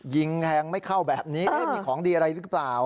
ยิงแทงไม่เข้าแบบนี้มีของดีอะไรหรือเปล่า